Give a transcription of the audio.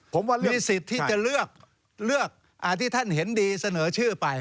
ผมว่ามีสิทธิ์ที่จะเลือกที่ท่านเห็นดีเสนอชื่อไป